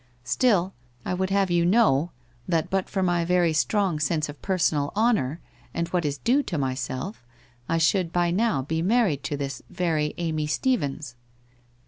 Still, I would have you know, that but for my very strong sense of per sonal honour, and what is due to myself, I should by now be married to this very Amy Stephens!